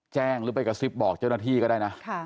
หรือไปกระซิบบอกเจ้าหน้าที่ก็ได้นะ